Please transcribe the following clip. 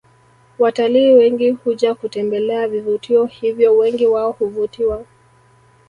Watalii wengi huja kutembelea vivutio hivyo wengi wao huvutiwa